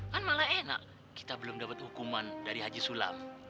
kan malah enak kita belum dapat hukuman dari haji sulam